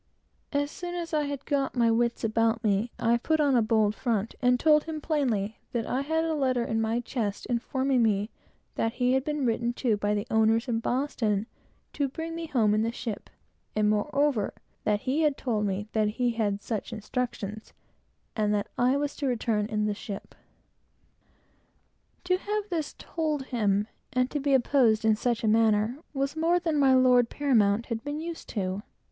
As soon as I had got my wits about me, I put on a bold front, and told him plainly that I had a letter in my chest informing me that he had been written to, by the owners in Boston, to bring me home in the ship, and moreover, that he had told me that I was to go in the ship. To have this told him, and to be opposed in such a manner, was more than my lord paramount had been used to.